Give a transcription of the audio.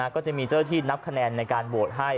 ก็จะมีเจ้าที่นับคะแนนในการโหวตให้